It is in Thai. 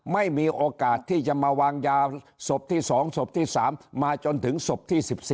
ไม่มีโอกาสที่จะมาวางยาศพที่๒ศพที่๓มาจนถึงศพที่๑๒